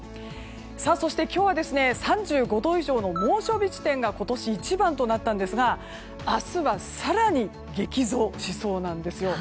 そして、今日は３５度以上の猛暑日地点が今年一番となったんですが明日は、更に激増しそうなんですよ。